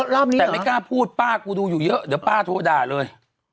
รอบนี้แต่ไม่กล้าพูดป้ากูดูอยู่เยอะเดี๋ยวป้าโทรด่าเลย